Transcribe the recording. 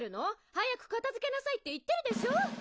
早く片づけなさいって言ってるでしょ！？